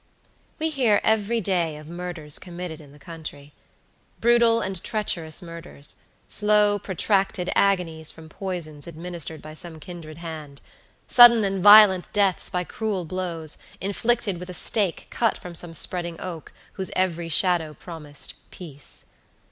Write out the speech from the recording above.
We hear every day of murders committed in the country. Brutal and treacherous murders; slow, protracted agonies from poisons administered by some kindred hand; sudden and violent deaths by cruel blows, inflicted with a stake cut from some spreading oak, whose every shadow promisedpeace.